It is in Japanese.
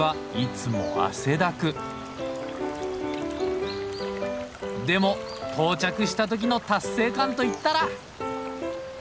でも到着した時の達成感といったら！